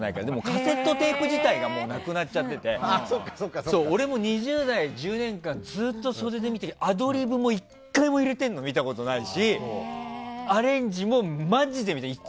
カセットテープ自体がもうなくなっちゃってて俺も２０代の１０年間ずっと袖で見ていてアドリブも１回も入れてるの見たことないしアレンジもマジで見たことない。